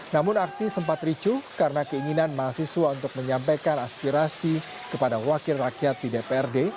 namun aksi sempat ricu karena keinginan mahasiswa untuk menyampaikan aspirasi kepada wakil rakyat di dprd